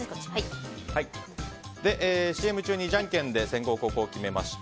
ＣＭ中にじゃんけんで先攻後攻を決めました。